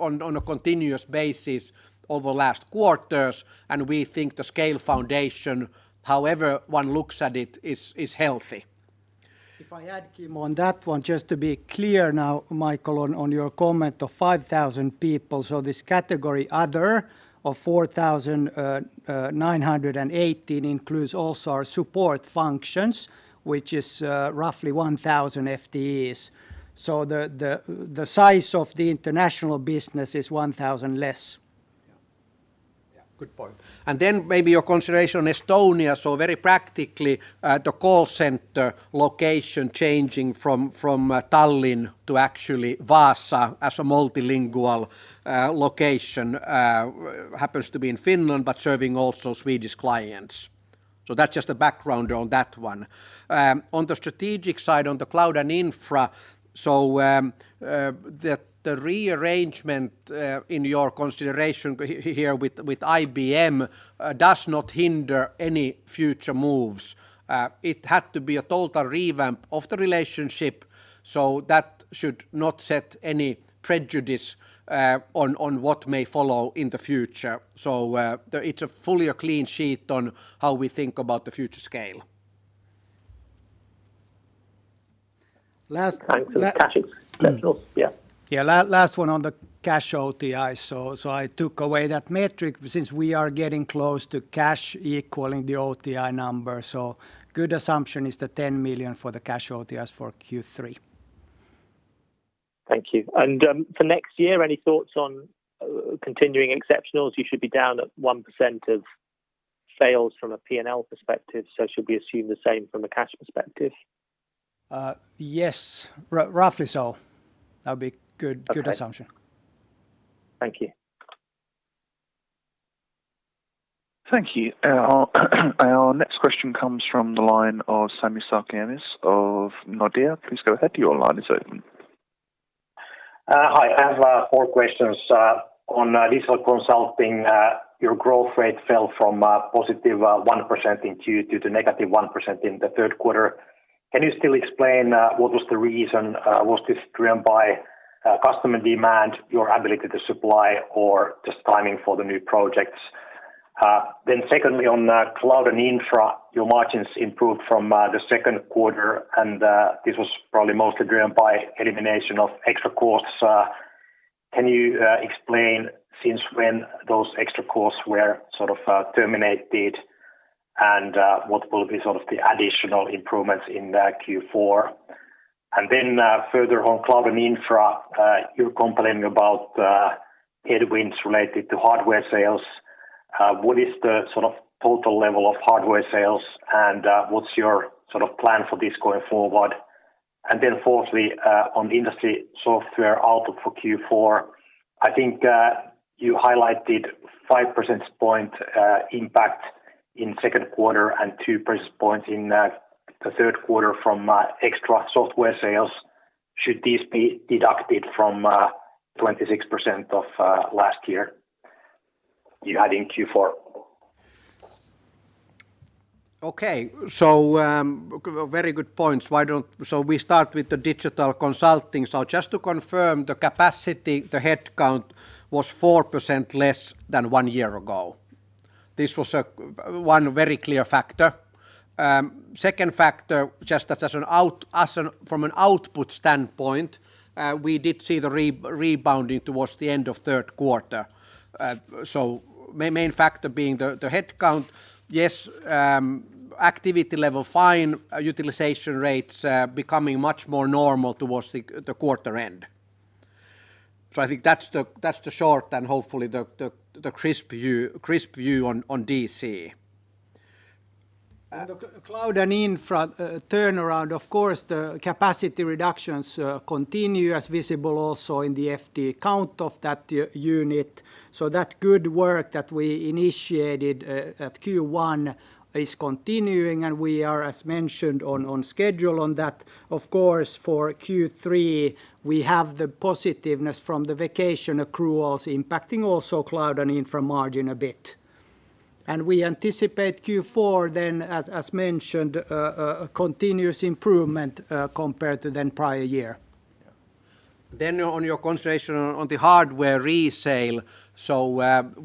on a continuous basis over last quarters. We think the scale foundation, however one looks at it, is health. If I add, Kim, on that one, just to be clear now, Michael, on your comment of 5,000 people. This category other of 4,918 includes also our support functions, which is roughly 1,000 FTEs. The size of the international business is 1,000 less. Yeah. Yeah. Good point. Maybe your consideration Estonia, so very practically, the call center location changing from Tallinn to actually Vaasa as a multilingual location happens to be in Finland, but serving also Swedish clients. That's just a background on that one. On the strategic side, on the cloud and infra, the rearrangement in your consideration here with IBM does not hinder any future moves. It had to be a total revamp of the relationship, that should not set any prejudice on what may follow in the future. It's fully a clean sheet on how we think about the future scale. Last- Thanks for the cash exceptionals. Yeah. Yeah. Last one on the cash OTI. I took away that metric since we are getting close to cash equaling the OTI number. Good assumption is the 10 million for the cash OTIs for Q3. Thank you. For next year, any thoughts on continuing exceptionals? You should be down at 1% of sales from a P&L perspective, so should we assume the same from a cash perspective? Yes, roughly so. That'd be good. Okay Good assumption. Thank you. Thank you. Our next question comes from the line of Sami Sarkamies of Nordea. Please go ahead. Your line is open. Hi. I have four questions. On digital consulting, your growth rate fell from positive 1% in Q2 to -1% in the third quarter. Can you still explain what was the reason? Was this driven by customer demand, your ability to supply, or just timing for the new projects? Secondly, on cloud and infra, your margins improved from the second quarter, and this was probably mostly driven by elimination of extra costs. Can you explain since when those extra costs were sort of terminated and what will be sort of the additional improvements in the Q4? Further on cloud and infra, you're complaining about headwinds related to hardware sales. What is the sort of total level of hardware sales and what's your sort of plan for this going forward? Fourthly, on industry software outlook for Q4, I think you highlighted five percentage point impact in second quarter and two percentage points in the third quarter from extra software sales. Should this be deducted from 26% of last year you had in Q4? Okay. Very good points. We start with the digital consulting. Just to confirm the capacity, the headcount was 4% less than one year ago. This was one very clear factor. Second factor, just from an output standpoint, we did see the rebounding towards the end of third quarter. Main factor being the headcount, yes, activity level fine, utilization rates becoming much more normal towards the quarter end. I think that's the short and hopefully the crisp view on DC. Infra turnaround, of course, the capacity reductions continue as visible also in the FTE count of that unit. That good work that we initiated at Q1 is continuing, and we are, as mentioned, on schedule on that. Of course, for Q3, we have the positiveness from the vacation accruals impacting also cloud and infra margin a bit. We anticipate Q4 then, as mentioned, a continuous improvement compared to the prior year. On your consideration on the hardware resale,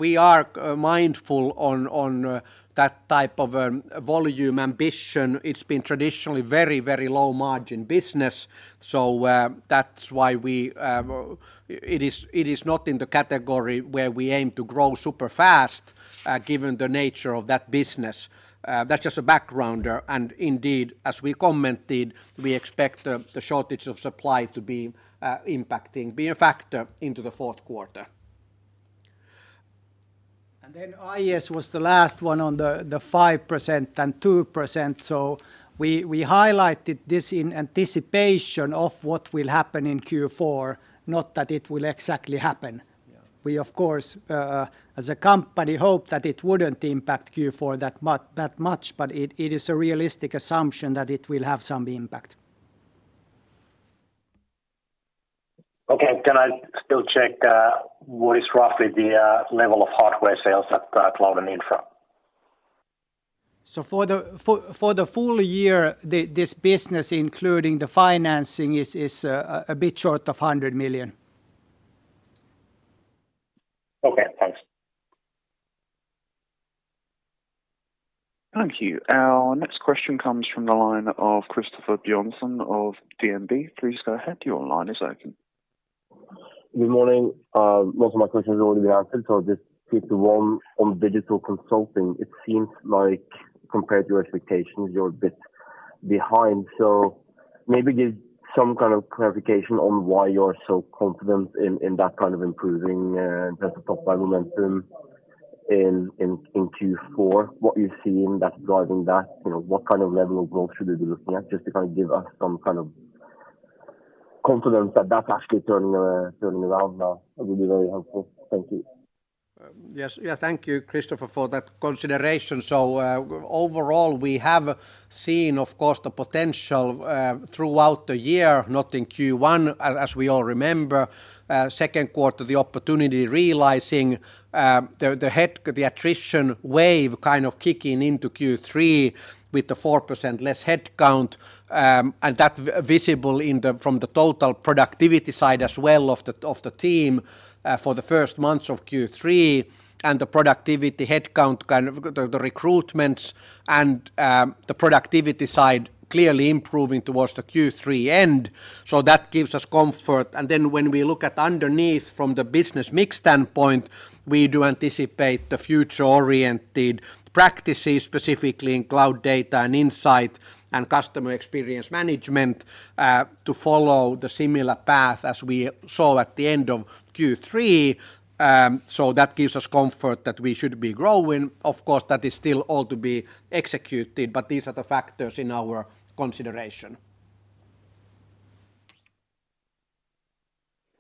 we are mindful on that type of volume ambition. It's been traditionally very low margin business. That's why it is not in the category where we aim to grow super fast, given the nature of that business. That's just a backgrounder. Indeed, as we commented, we expect the shortage of supply to be impacting, be a factor into the fourth quarter. IS was the last one on the 5% and 2%. We highlighted this in anticipation of what will happen in Q4, not that it will exactly happen. Yeah. We, of course, as a company hope that it wouldn't impact Q4 that much, but it is a realistic assumption that it will have some impact. Okay. Can I still check what is roughly the level of hardware sales at cloud and infra? For the full year, this business, including the financing, is a bit short of 100 million. Okay, thanks. Thank you. Our next question comes from the line of Christoffer Wang Bjørnsen of DNB. Please go ahead, your line is open. Good morning. Most of my questions have already been answered, so just keep the one on digital consulting. It seems like compared to your expectations, you're a bit behind. Maybe give some kind of clarification on why you're so confident in that kind of improving in terms of top-line momentum in Q4, what you're seeing that's driving that? You know, what kind of level of growth should we be looking at? Just to kind of give us some kind of confidence that that's actually turning around now would be very helpful. Thank you. Yes. Yeah, thank you, Christoffer, for that consideration. Overall, we have seen, of course, the potential, throughout the year, not in Q1, as we all remember. Second quarter, the opportunity realizing, the attrition wave kind of kicking into Q3 with the 4% less headcount, and that visible from the total productivity side as well of the team, for the first months of Q3. The productivity headcount kind of the recruitments and, the productivity side clearly improving towards the Q3 end. That gives us comfort. Then when we look at underneath from the business mix standpoint, we do anticipate the future-oriented practices, specifically in cloud data and insight and customer experience management, to follow the similar path as we saw at the end of Q3. That gives us comfort that we should be growing. Of course, that is still all to be executed, but these are the factors in our consideration.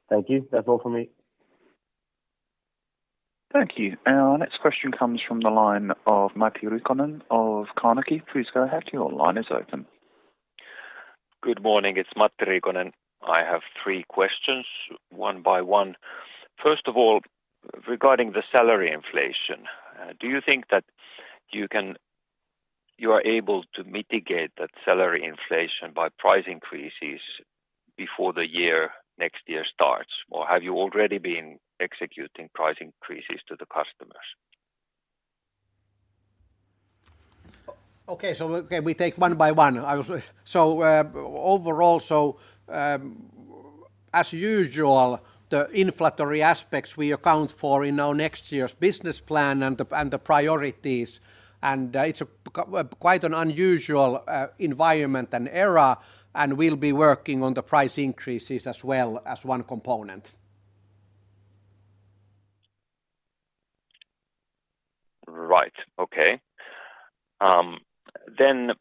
Thank you. That's all for me. Thank you. Our next question comes from the line of Matti Riikonen of Carnegie. Please go ahead, your line is open. Good morning. It's Matti Riikonen. I have three questions, one by one. First of all, regarding the salary inflation, do you think that you are able to mitigate that salary inflation by price increases before the year next year starts? Or have you already been executing price increases to the customers? We take one by one. Overall, as usual, the inflationary aspects we account for in our next year's business plan and the priorities, and it's quite an unusual environment and era, and we'll be working on the price increases as well as one component. Right. Okay.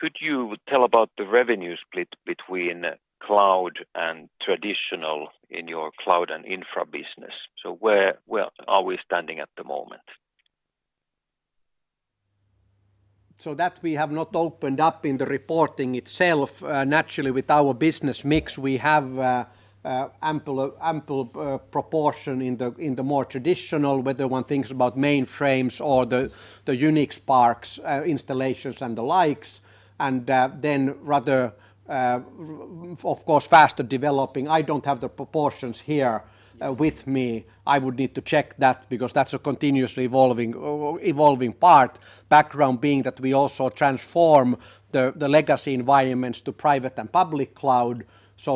Could you tell about the revenue split between cloud and traditional in your cloud and infra business? Where are we standing at the moment? That we have not opened up in the reporting itself. Naturally with our business mix, we have ample proportion in the more traditional, whether one thinks about mainframes or the Unix SPARCs installations and the likes, and then rather of course faster developing. I don't have the proportions here with me. I would need to check that because that's a continuously evolving part. Background being that we also transform the legacy environments to private and public cloud.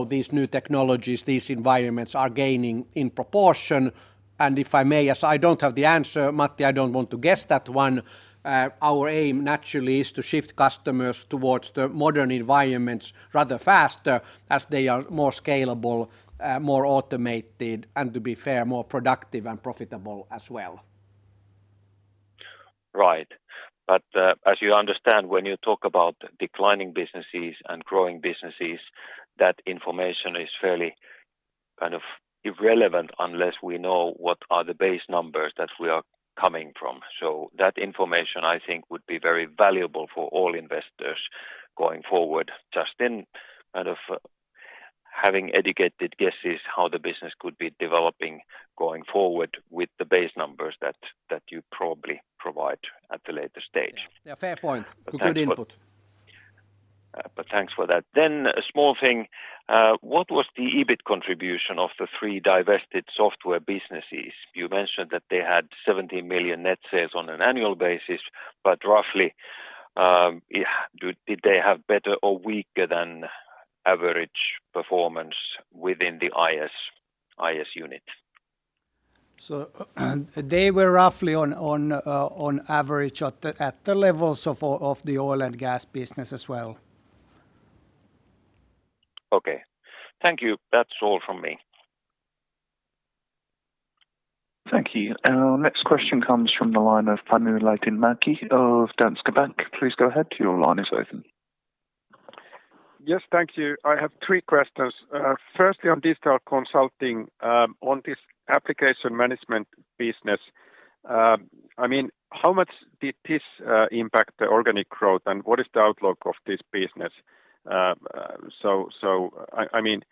These new technologies, these environments are gaining in proportion. If I may, as I don't have the answer, Matti, I don't want to guess that one. Our aim naturally is to shift customers towards the modern environments rather faster as they are more scalable, more automated, and to be fair, more productive and profitable as well. Right. As you understand, when you talk about declining businesses and growing businesses, that information is fairly kind of irrelevant unless we know what are the base numbers that we are coming from. That information, I think, would be very valuable for all investors going forward, just in kind of having educated guesses how the business could be developing going forward with the base numbers that you probably provide at a later stage. Yeah. Fair point. Thanks for. Good input. Thanks for that. A small thing. What was the EBIT contribution of the three divested software businesses? You mentioned that they had 70 million net sales on an annual basis, but roughly, did they have better or weaker than average performance within the IS unit? They were roughly on average at the levels of the oil and gas business as well. Okay. Thank you. That's all from me. Thank you. Our next question comes from the line of Panu Laitinmäki of Danske Bank. Please go ahead, your line is open. Yes. Thank you. I have three questions. Firstly, on Digital Consulting, on this application management business, I mean, how much did this impact the organic growth, and what is the outlook of this business? So, I mean,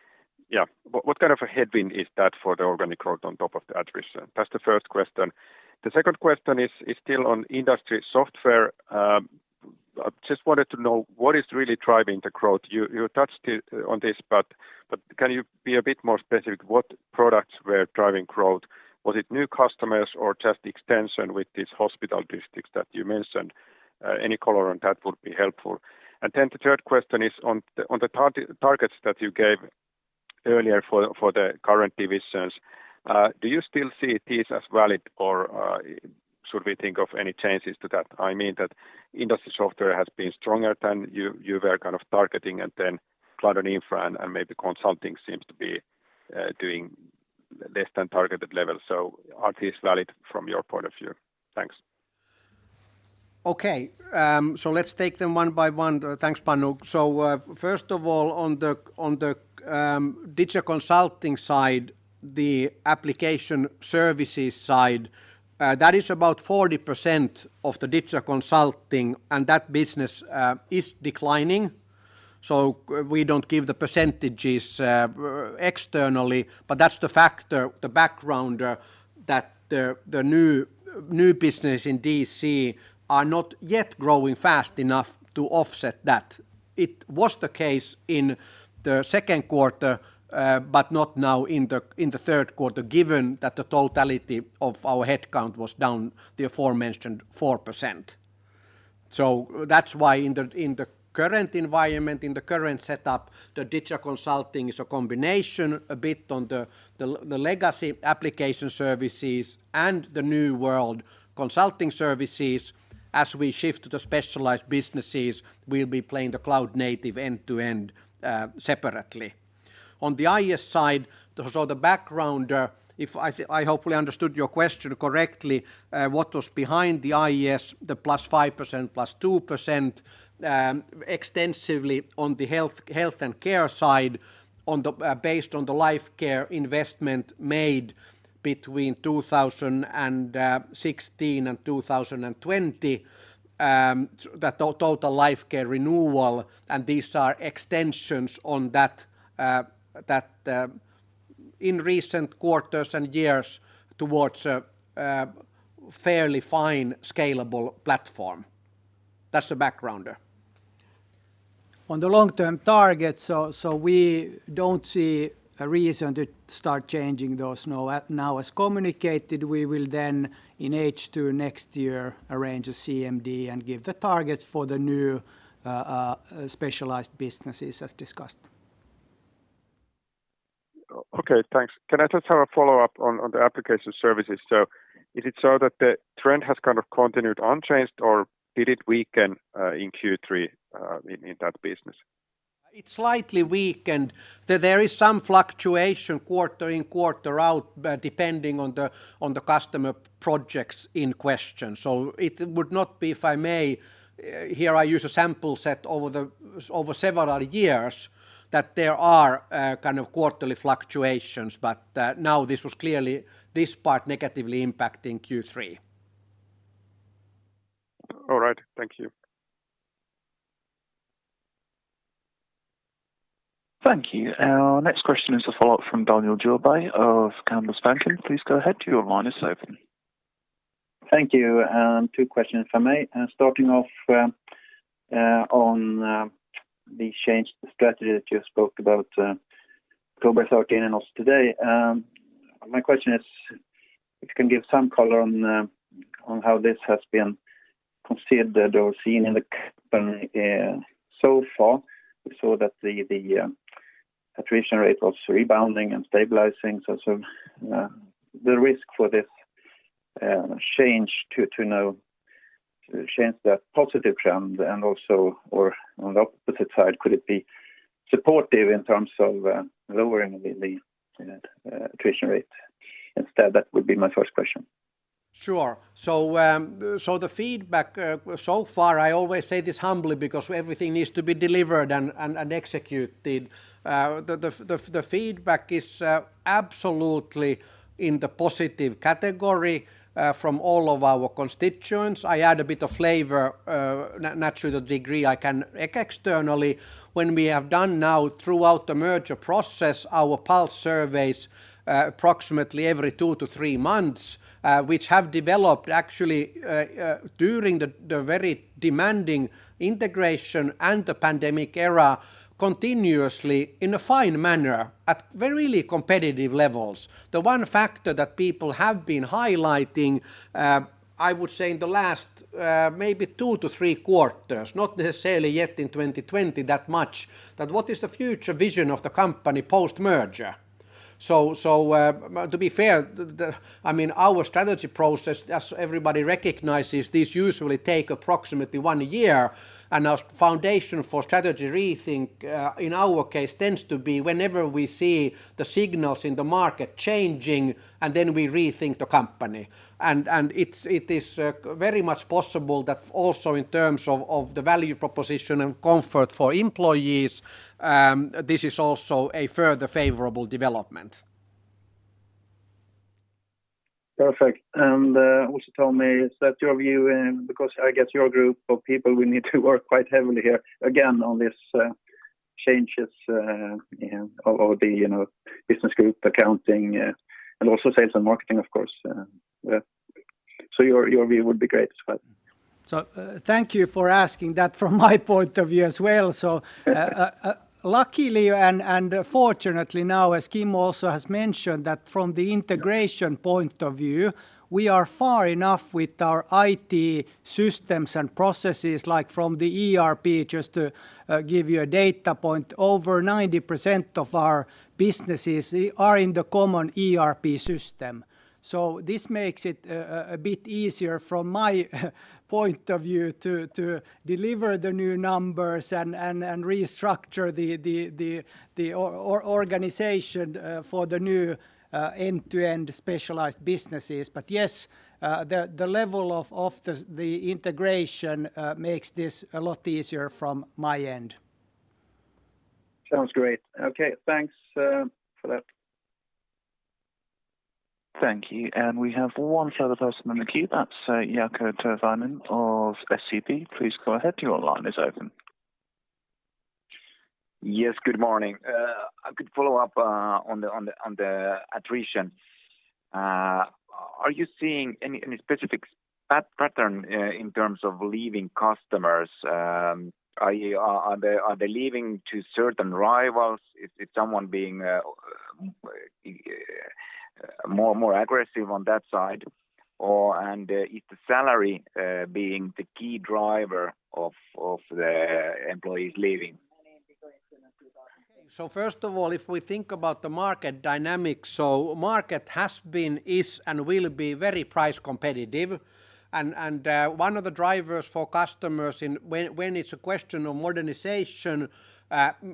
yeah. What kind of a headwind is that for the organic growth on top of the attrition? That's the first question. The second question is still on Industry Software. Just wanted to know what is really driving the growth. You touched it on this, but can you be a bit more specific what products were driving growth? Was it new customers or just extension with these hospital districts that you mentioned? Any color on that would be helpful. The third question is on the targets that you gave earlier for the current divisions. Do you still see these as valid or should we think of any changes to that? I mean, industry software has been stronger than you were kind of targeting and then cloud and infra and maybe consulting seems to be doing less than targeted levels. Are these valid from your point of view? Thanks. Okay. Let's take them one by one. Thanks, Panu. First of all, on the digital consulting side, the application services side, that is about 40% of the digital consulting and that business is declining. We don't give the percentages externally, but that's the factor, the background, that the new business in DC are not yet growing fast enough to offset that. It was the case in the second quarter, but not now in the third quarter, given that the totality of our headcount was down the aforementioned 4%. That's why in the current environment, in the current setup, the digital consulting is a combination a bit on the legacy application services and the new world consulting services. As we shift to the specialized businesses, we'll be playing the cloud native end to end separately. On the IS side, the background, if I hopefully understood your question correctly, what was behind the IS, the +5%, +2%, extensively on the health and care side based on the Lifecare investment made between 2016 and 2020, that total Lifecare renewal, and these are extensions on that in recent quarters and years towards a fairly fine scalable platform. That's the background there. On the long-term targets, we don't see a reason to start changing those now. Now, as communicated, we will then in H2 next year arrange a CMD and give the targets for the new specialized businesses as discussed. Okay. Thanks. Can I just have a follow-up on the application services? Is it so that the trend has kind of continued unchanged, or did it weaken in Q3 in that business? It's slightly weakened. There is some fluctuation quarter in, quarter out, depending on the customer projects in question. It would not be, if I may, here I use a sample set over several years, that there are kind of quarterly fluctuations. Now this was clearly this part negatively impacting Q3. All right. Thank you. Thank you. Our next question is a follow-up from Daniel Djurberg of Handelsbanken Capital Markets. Please go ahead. Your line is open. Thank you, and wo questions if I may. Starting off on the changed strategy that you spoke about October 13 and also today, my question is if you can give some color on how this has been considered or seen in the company so far. We saw that the attrition rate was rebounding and stabilizing. The risk for this change to now change that positive trend and also or on the opposite side, could it be supportive in terms of lowering the attrition rate instead? That would be my first question. Sure. The feedback so far, I always say this humbly because everything needs to be delivered and executed. The feedback is absolutely in the positive category from all of our constituents. I add a bit of flavor, naturally the degree I can externally when we have done now throughout the merger process, our pulse surveys, approximately every two to three months, which have developed actually during the very demanding integration and the pandemic era continuously in a fine manner at very really competitive levels. The one factor that people have been highlighting, I would say in the last, maybe two to three quarters, not necessarily yet in 2020 that much, that what is the future vision of the company post-merger? To be fair, I mean, our strategy process, as everybody recognizes, this usually take approximately one year. Our foundation for strategy rethink, in our case tends to be whenever we see the signals in the market changing, and then we rethink the company. It is very much possible that also in terms of the value proposition and comfort for employees, this is also a further favorable development. Perfect. Also tell me, is that your view, because I guess your group of people will need to work quite heavily here again on this? Changes in all the, you know, business group accounting, and also sales and marketing of course. Your view would be great as well. Thank you for asking that from my point of view as well. Luckily and fortunately now, as Kim also has mentioned that from the integration point of view, we are far enough with our IT systems and processes, like from the ERP just to give you a data point, over 90% of our businesses are in the common ERP system. This makes it a bit easier from my point of view to deliver the new numbers and restructure the organization for the new end-to-end specialized businesses. Yes, the level of the integration makes this a lot easier from my end. Sounds great. Okay. Thanks, for that. Thank you. We have one further person in the queue. That's Jaakko Tyrväinen of SEB. Please go ahead, your line is open. Yes, good morning. A good follow-up on the attrition. Are you seeing any specific pattern in terms of leaving customers? Are they leaving to certain rivals? Is it someone being more aggressive on that side? Or, and is the salary being the key driver of the employees leaving? First of all, if we think about the market dynamics, market has been, is and will be very price competitive, one of the drivers for customers when it's a question of modernization,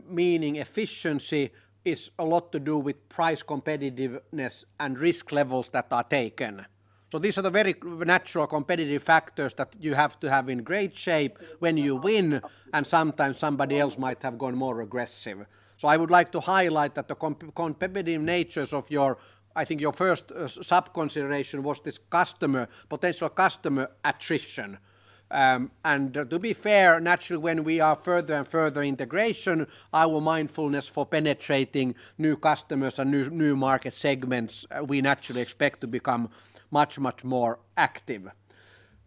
meaning efficiency, is a lot to do with price competitiveness and risk levels that are taken. These are the very natural competitive factors that you have to have in great shape when you win, and sometimes somebody else might have gone more aggressive. I would like to highlight that the competitive natures of your, I think your first sub-consideration was this customer potential customer attrition. To be fair, naturally, when we are further and further integration, our mindfulness for penetrating new customers and new market segments, we naturally expect to become much more active.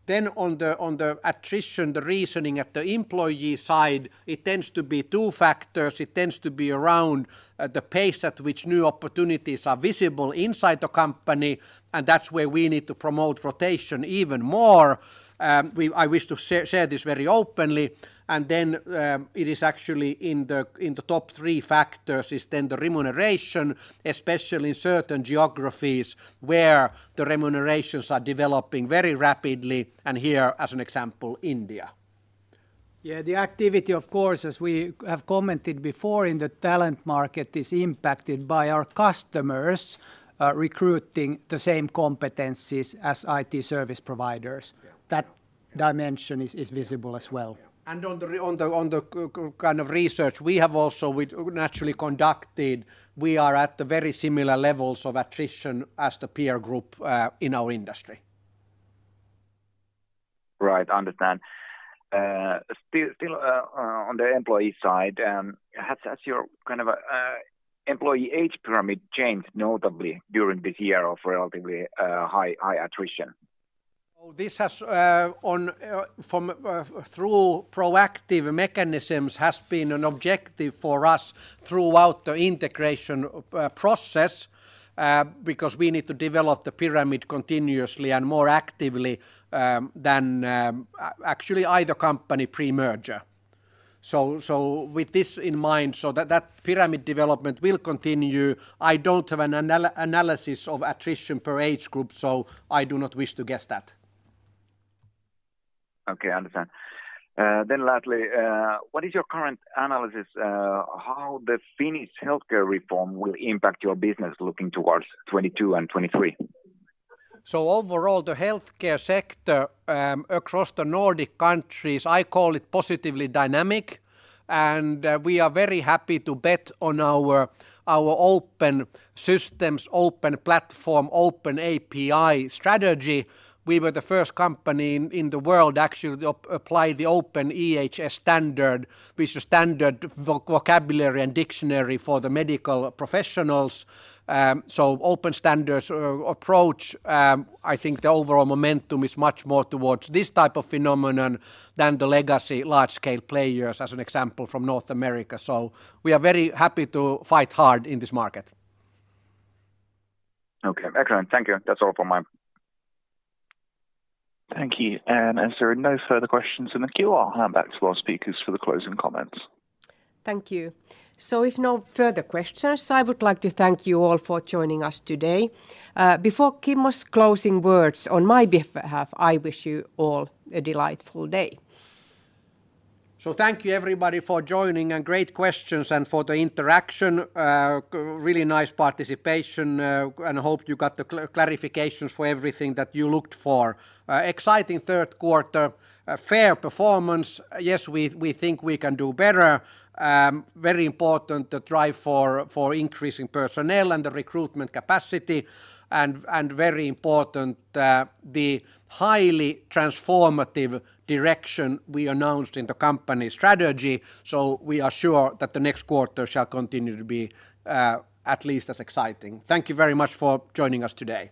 On the attrition, the reasoning at the employee side, it tends to be two factors. It tends to be around the pace at which new opportunities are visible inside the company, and that's where we need to promote rotation even more. I wish to share this very openly. It is actually in the top three factors is then the remuneration, especially in certain geographies where the remunerations are developing very rapidly, and here, as an example, India. The activity of course, as we have commented before in the talent market, is impacted by our customers recruiting the same competencies as IT service providers. Yeah. That dimension is visible as well. Yeah. On the kind of research, we are at very similar levels of attrition as the peer group in our industry. Right. Understand. Still on the employee side, has your kind of employee age pyramid changed notably during this year of relatively high attrition? This has, through proactive mechanisms, been an objective for us throughout the integration process, because we need to develop the pyramid continuously and more actively than actually either company pre-merger. With this in mind, that pyramid development will continue. I don't have an analysis of attrition per age group, so I do not wish to guess that. Okay. Understand. Lastly, what is your current analysis, how the Finnish healthcare reform will impact your business looking towards 2022 and 2023? Overall, the healthcare sector across the Nordic countries, I call it positively dynamic, and we are very happy to bet on our open systems, open platform, open API strategy. We were the first company in the world actually to apply the openEHR standard, which is standard vocabulary and dictionary for the medical professionals. Open standards approach, I think the overall momentum is much more towards this type of phenomenon than the legacy large scale players, as an example from North America. We are very happy to fight hard in this market. Okay. Excellent. Thank you. That's all from my end. Thank you. As there are no further questions in the queue, I'll hand back to our speakers for the closing comments. Thank you. If no further questions, I would like to thank you all for joining us today. Before Kim's closing words, on my behalf, I wish you all a delightful day. Thank you everybody for joining, and great questions and for the interaction. Really nice participation, and hope you got the clarifications for everything that you looked for. Exciting third quarter, a fair performance. Yes, we think we can do better. Very important to drive for increasing personnel and the recruitment capacity and very important, the highly transformative direction we announced in the company strategy. We are sure that the next quarter shall continue to be at least as exciting. Thank you very much for joining us today.